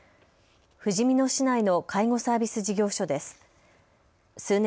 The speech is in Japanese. ふじみ野市内の介護サービス事業所です。